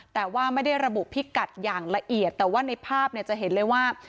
แต่ว่าไม่ได้ระบุพิกัดอย่างละเอียดแต่ว่าในภาพเนี่ยจะเห็นเลยว่า